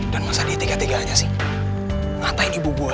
dan masa di tiga puluh tiga anya sih ngatain ibu gue